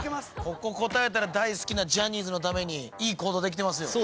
ここ答えたら大好きなジャニーズのためにいい行動できてますよ。